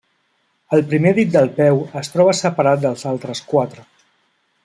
El primer dit del peu es troba separat dels altres quatre.